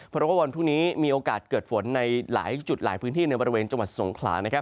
เพราะว่าวันพรุ่งนี้มีโอกาสเกิดฝนในหลายจุดหลายพื้นที่ในบริเวณจังหวัดสงขลานะครับ